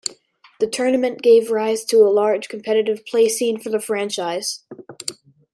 The tournament gave rise to a large competitive play scene for the franchise.